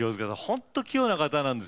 本当に器用な方なんです。